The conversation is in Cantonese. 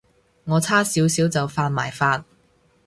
我差少少就犯埋法